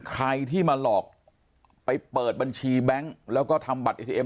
ใครที่มาหลอกไปเปิดบัญชีแบงค์แล้วก็ทำบัตรเอทีเอ็